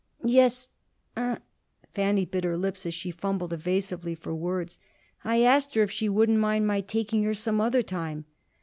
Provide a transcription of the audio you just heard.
"Yes I " Fanny bit her lips as she fumbled evasively for words. "I asked her if she wouldn't mind my taking her some other time."